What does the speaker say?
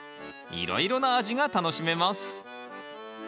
いろいろな味が楽しめます。